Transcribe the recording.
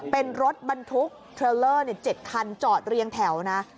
เป็นรถบรรทุกเทรลเลอร์๗คันจอดเรียงแถวนะ